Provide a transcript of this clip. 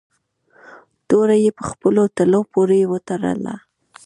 توره یې په خپلو تلو پورې و تړله.